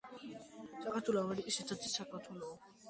ხშირად მას ამერიკის მასაჩუსეტსის ტექნოლოგიურ ინსტიტუტს ადარებენ.